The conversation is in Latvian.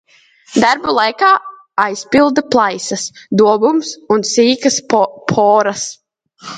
Darbu laikā aizpilda plaisas, dobumus un sīkas poras.